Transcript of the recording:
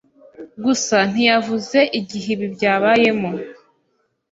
gusa ntiyavuze igihe ibi byabayemo